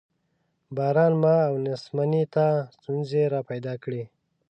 باران ما او نمسۍ ته ستونزې را پیدا کړې.